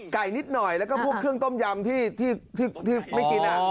นิดหน่อยแล้วก็พวกเครื่องต้มยำที่ไม่กิน